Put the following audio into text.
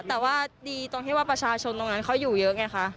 แต่ว่าดีตรงที่ว่าประชาชนตรงนั้นเขาอยู่เยอะไงคะ